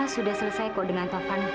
saya ikut dengan taufan